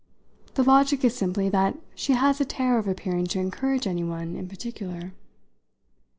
"The logic is simply that she has a terror of appearing to encourage anyone in particular."